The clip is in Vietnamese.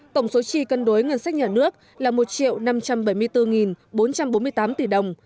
tổng số chi cân đối ngân sách nhà nước là một năm trăm bảy mươi bốn bốn trăm bốn mươi tám tỷ đồng